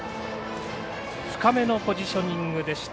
深めのポジショニングでした。